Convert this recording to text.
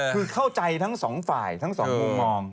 คือเข้าใจทั้งสองฝ่ายทั้งสองมุมมอง